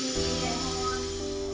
selamat pagi selamat pagi